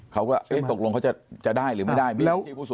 เขาก็เอ๊ะตกลงเขาจะได้หรือไม่ได้